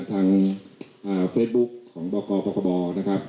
ทางเฟซบุ๊คของบอกกปกบ